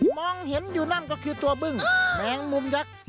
มองเห็นอยู่นั่นก็คือตัวบึ้งแมงมุมยักษ์